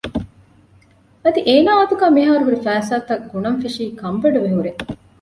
އަދި އޭނާ އަތުގައި މިހާރު ހުރި ފައިސާތައް ގުނަން ފެށީ ކަންބޮޑުވެ ހުރޭ